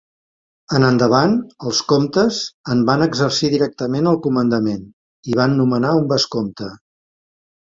En endavant els comtes en van exercir directament el comandament i van nomenar un vescomte.